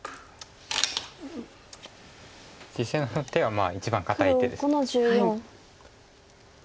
実戦の手は一番堅い手です。